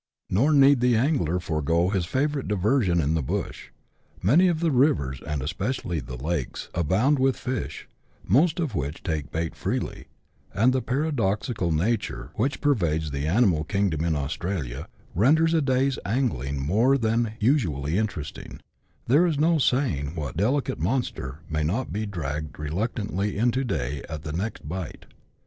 Nor need the CHAP. XI.] ANGLING PLATYPUS SNAKES. 119 angler forego his favourite diversion in " the bush." Many of the rivers, and especially the lakes, abound with fish, most of which take bait freely, and the paradoxical nature which per vades the animal kingdom in Australia renders a day's angling more than usually interesting— there is no saying what " delicate monster " may not be dragged reluctantly into day at the next bite.